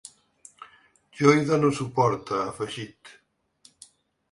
Jo hi dono suport, ha afegit.